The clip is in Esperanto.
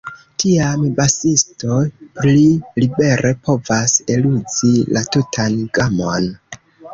Tiam basisto pli libere povas eluzi la tutan gamon.